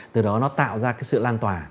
từ đó nó tạo ra sự lan tỏa